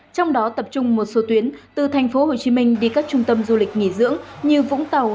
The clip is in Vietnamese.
trong đó tập trung một số tuyến từ tp hcm đi các trung tâm du lịch nghỉ dưỡng như vũng tàu